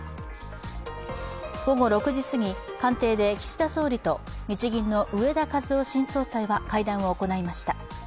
午後６時過ぎ、官邸で岸田総理と日銀の植田和男新総裁は会談を行いました。